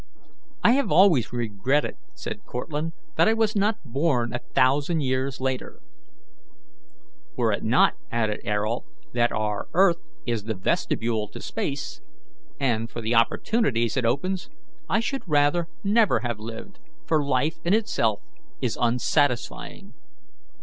"I have always regretted," said Cortlandt, "that I was not born a thousand years later." "Were it not," added Ayrault, "that our earth is the vestibule to space, and for the opportunities it opens, I should rather never have lived, for life in itself is unsatisfying."